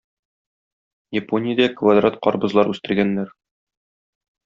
Япониядә квадрат карбызлар үстергәннәр